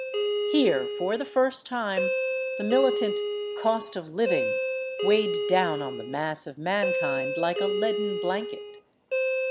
Here, for the first time, the miUtant " cost of Hving " weighed down on the mass of mankind like a leaden blanket.